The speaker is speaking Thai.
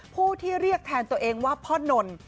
ผู้ที่เรียกแทนตัวเองว่าพ่อนน